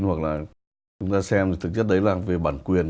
hoặc là chúng ta xem thì thực chất đấy là về bản quyền